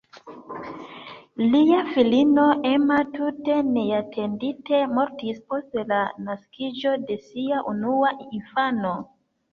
Lia filino "Emma" tute neatendite mortis post la naskiĝo de sia unua infano.